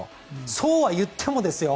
そうはいってもですよ